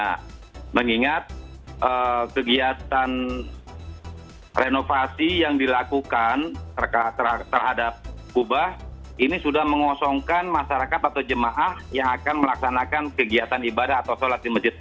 nah mengingat kegiatan renovasi yang dilakukan terhadap kubah ini sudah mengosongkan masyarakat atau jemaah yang akan melaksanakan kegiatan ibadah atau sholat di masjid